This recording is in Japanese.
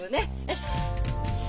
よし。